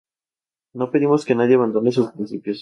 No pedimos que nadie abandone sus principios".